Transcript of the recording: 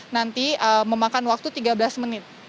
nanti memakan waktu tiga belas menit